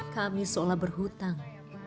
kami seolah berhutang